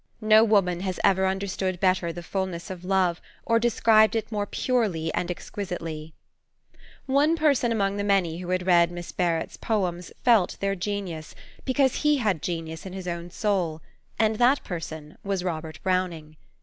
No woman has ever understood better the fulness of love, or described it more purely and exquisitely. One person among the many who had read Miss Barrett's poems, felt their genius, because he had genius in his own soul, and that person was Robert Browning.